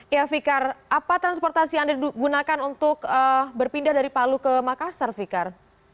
ya fikar apa transportasi yang digunakan untuk berpindah dari palu ke makassar fikar